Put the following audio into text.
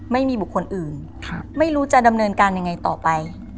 ไม่มีบุคคลอื่นไม่รู้จะดำเนินการยังไงต่อไป